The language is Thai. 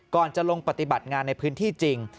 จะลงปฏิบัติงานในพื้นที่จริง